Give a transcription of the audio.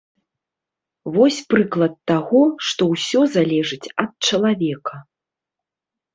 Вось прыклад таго, што ўсё залежыць ад чалавека.